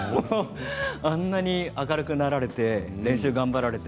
あんなに明るくなられて練習もされて。